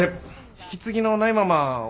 引き継ぎのないまま大村が。